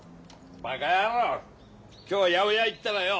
バカヤロー今日八百屋行ったらよ。